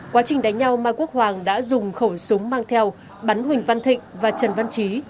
quá trình đánh nhau mai quốc hoàng đã dùng khẩu súng mang theo bắn huỳnh văn thịnh và trần văn trí